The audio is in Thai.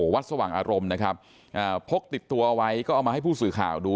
วัดสว่างอารมณ์พกติดตัวไว้ก็เอามาให้ผู้สื่อข่าวดู